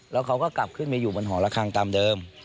แล้วเขาก็กลับขึ้นมาอยู่บนหอระคังตามเดิม